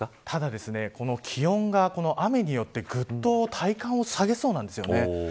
ただ、この気温が雨によってぐっと体感を下げそうなんです。